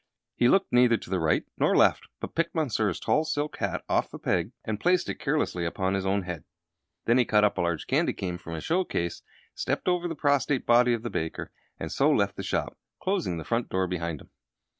He looked neither to right nor left, but picked Monsieur's tall silk hat from off a peg and placed it carelessly upon his own head. Next he caught up a large candy cane from a show case, stepped over the prostrate body of the baker, and so left the shop, closing the front door behind him.